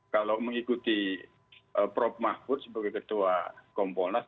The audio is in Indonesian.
kalau mengikuti prof mahfud sebagai ketua kompolnas